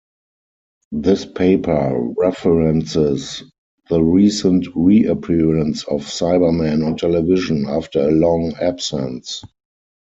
This paper references the recent reappearance of Cybermen on television after a long absence.